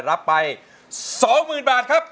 รับไป๒หมื่นบาทครับ